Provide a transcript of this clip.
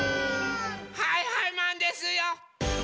はいはいマンですよ！